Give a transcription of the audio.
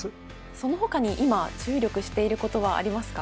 その他に今注力していることはありますか？